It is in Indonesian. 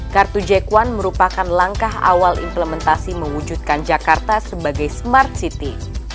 kartu jack satu merupakan langkah awal implementasi mewujudkan jakarta sebagai smart city